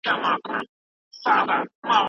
دا د اوبو د روان په څېر دی.